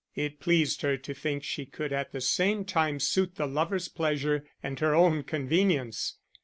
It pleased her to think she could at the same time suit the lovers' pleasure and her own convenience.